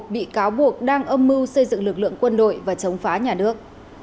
bị cáo buộc đang âm mưu xây dựng lực lượng quân đội và chống phá nhà nước